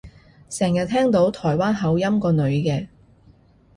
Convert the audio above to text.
成日聽到台灣口音個女嘅